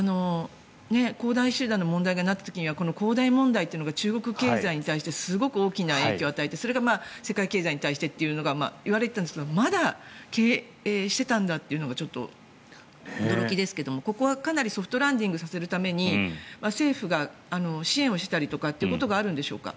恒大集団の問題が起きた時にはこの恒大問題というのが中国経済に対してすごく大きな影響を与えてそれが世界経済に対してというのがいわれていたんですがまだ経営してたんだというのがちょっと驚きですがここはかなりソフトランディングさせるために政府が支援をしてたりということがあるんでしょうか？